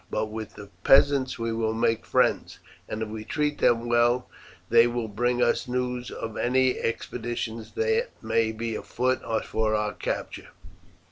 But with the peasants we will make friends, and if we treat them well they will bring us news of any expeditions that may be on foot for our capture.